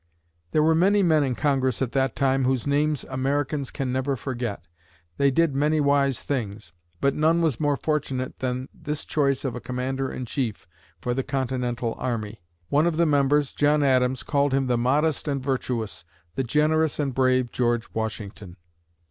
There were many men in Congress at that time whose names Americans can never forget. They did many wise things, but none was more fortunate than this choice of a Commander in Chief for the Continental Army. One of the members, John Adams, called him "the modest and virtuous, the generous and brave George Washington."